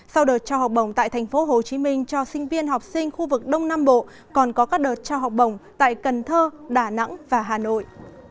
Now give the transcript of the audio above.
sau đợt trao học bổng tại tp hcm cho sinh viên học sinh khu vực đông nam bộ còn có các đợt trao học bổng tại cần thơ đà nẵng và hà nội